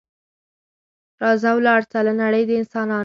راځه ولاړ سه له نړۍ د انسانانو